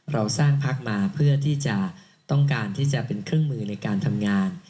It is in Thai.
เราสร้างพักมาเพื่อที่จะต้องการที่จะเป็นเครื่องมือในการทำงาน